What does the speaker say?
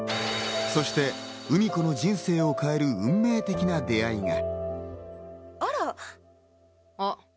そして、うみ子の人生を変える、運命的な出会いが。